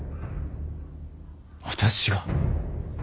私が。